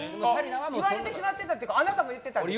言われてしまってたっていうかあなたも言ってたでしょ。